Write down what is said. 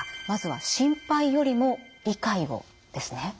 まずは「心配よりも理解を」ですね。